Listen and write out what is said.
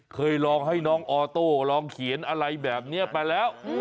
เคยลองให้น้องออโต้ลองเขียนอะไรแบบนี้มาแล้ว